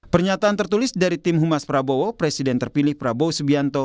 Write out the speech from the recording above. pernyataan tertulis dari tim humas prabowo presiden terpilih prabowo subianto